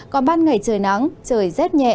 còn ban ngày trời nắng trời rét nhẹ